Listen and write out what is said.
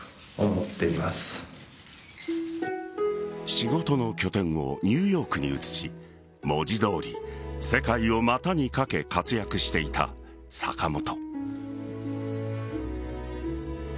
仕事の拠点をニューヨークに移し文字どおり世界を股にかけ活躍していた坂本。